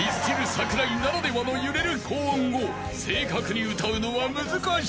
桜井ならではの揺れる高音を正確に歌うのは難しい］